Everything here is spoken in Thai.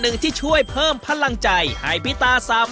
การที่บูชาเทพสามองค์มันทำให้ร้านประสบความสำเร็จ